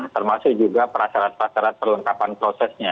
termasuk juga prasarat prasarat perlengkapan prosesnya